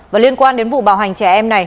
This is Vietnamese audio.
và liên quan đến vụ bạo hành trẻ em này